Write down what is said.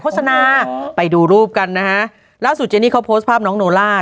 โฆษณาไปดูรูปกันนะฮะล่าวสู่เจนี่ของพูดผ้าน้องโนล่า